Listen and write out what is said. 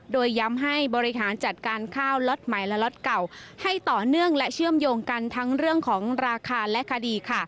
โดยย้ำให้บริหารจัดการข้าวล็อตใหม่และล็อตเก่าให้ต่อเนื่องและเชื่อมโยงกันทั้งเรื่องของราคาและคดีค่ะ